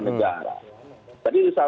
saya dituntaskan oleh negara